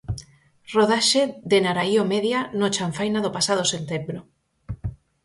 Rodaxe de Narahío Media no Chanfaina do pasado setembro.